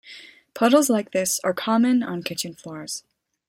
Puddles like this are common on kitchen floors.